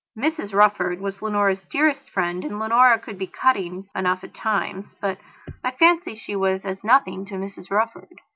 Mrs Rufford was Leonora's dearest friend and Leonora could be cutting enough at times. But I fancy she was as nothing to Mrs Rufford.